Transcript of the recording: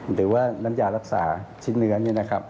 หรือว่าน้ำยารักษาชิ้นเนื้อนี่นะครับ